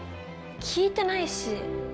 聞いてないし！